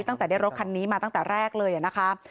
ตั้งแต่ได้รถคันนี้มาตั้งแต่แรกเลยนะคะ